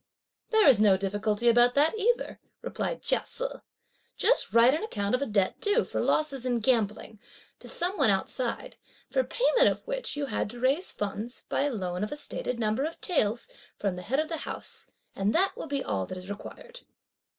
"There's no difficulty about that either!" replied Chia Se; "just write an account of a debt due, for losses in gambling, to some one outside; for payment of which you had to raise funds, by a loan of a stated number of taels, from the head of the house; and that will be all that is required."